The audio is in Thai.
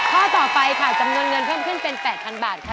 ข้อต่อไปค่ะจำนวนเงินเพิ่มขึ้นเป็น๘๐๐๐บาทค่ะ